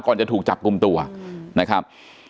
จะถูกจับกลุ่มตัวนะครับ